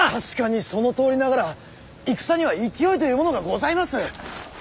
確かにそのとおりながら戦には勢いというものがございます。